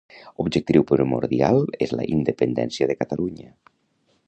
Objectiu primordial és la independència de Catalunya